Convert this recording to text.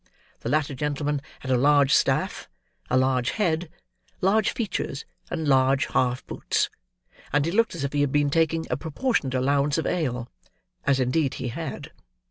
The latter gentleman had a large staff, a large head, large features, and large half boots; and he looked as if he had been taking a proportionate allowance of ale—as indeed he had.